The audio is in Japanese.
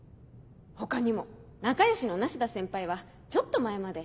他にも仲良しの梨田先輩はちょっと前まで。